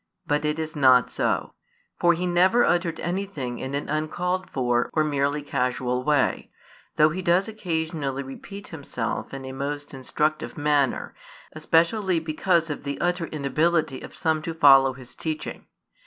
But it is not so. For He never uttered anything in an uncalled for, or merely casual way; though He does occasionally repeat Himself in a most instructive manner, especially because of the utter inability of some to follow His teaching.